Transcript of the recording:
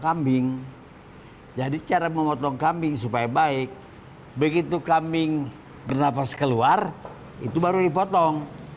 kambing jadi cara memotong kambing supaya baik begitu kambing bernafas keluar itu baru dipotong